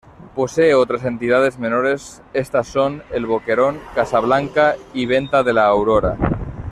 Posee otras entidades menores, estas son: El Boquerón, Casablanca y Venta de La Aurora.